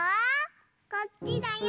こっちだよ！